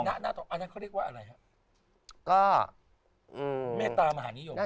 อันนั้นเขาเรียกว่าอะไรครับ